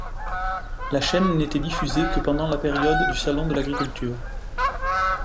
La chaîne n'était diffusée que pendant la période du salon de l'agriculture.